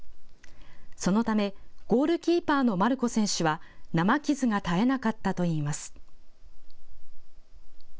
そのためゴールキーパーのマルコ選手は生傷が絶えなかったといいます。